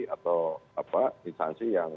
atau apa instansi yang